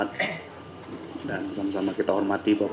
assalamualaikum wr wb